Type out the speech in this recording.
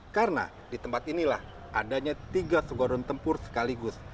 karena di tempat inilah adanya tiga seguarun tempur sekaligus